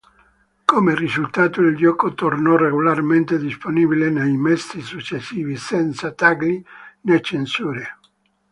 Come risultato il gioco tornò regolarmente disponibile nei mesi successivi, senza tagli né censure.